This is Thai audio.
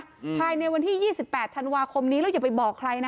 ภายในวันที่ยี่สิบแปดธันวาคมนี้แล้วอย่าไปบอกใครนะ